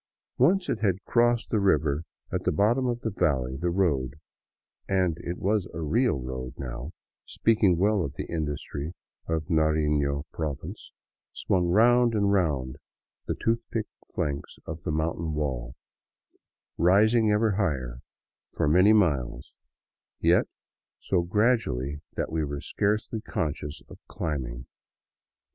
Once it had crossed the river at the bottom of the valley, the road — and it was a real road now, speaking well of the industry of Narifio province — swung round and round the toothlike flanks of the mountain wall, rising ever higher for many miles, yet so gradually that we were scarcely conscious of climbing.